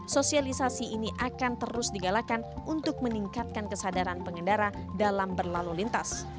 sosialisasi ini akan terus digalakan untuk meningkatkan kesadaran pengendara dalam berlalu lintas